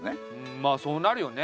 まあそうなるよね。